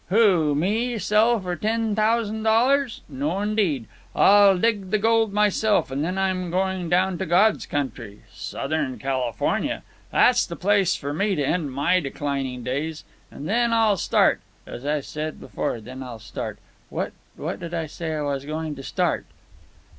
"Who? Me?—sell for ten thousand dollars! No indeed. I'll dig the gold myself, an' then I'm goin' down to God's country—Southern California—that's the place for me to end my declinin' days—an' then I'll start ... as I said before, then I'll start ... what did I say I was goin' to start?"